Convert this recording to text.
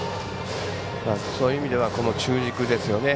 そういう意味ではこの中軸ですよね。